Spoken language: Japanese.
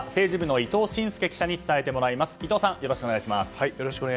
伊藤さんよろしくお願いします。